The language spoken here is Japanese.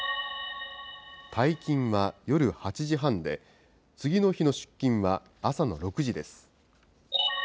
退勤は夜８時半で、次の日の出勤は朝の６時です。